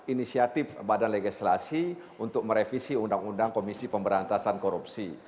inisiatif badan legislasi untuk merevisi undang undang komisi pemberantasan korupsi